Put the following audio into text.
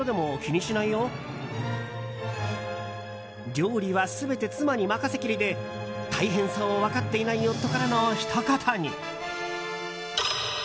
料理は全て妻に任せきりで大変さを分かっていない夫からのひと言に。